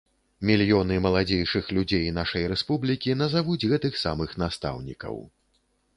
Мільёны маладзейшых людзей нашай рэспублікі назавуць гэтых самых настаўнікаў.